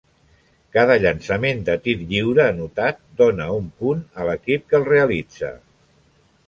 Cada llançament de tir lliure anotat dóna un punt a l'equip que el realitza.